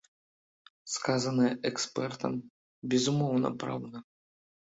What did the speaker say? Сказанае экспертам, безумоўна, праўда.